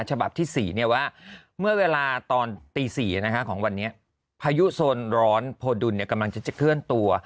ฉบับที่๔ว่าเมื่อเวลาตอนตี๔ของวันนี้พายุโซนร้อนโพดุลกำลังจะเคลื่อนตัว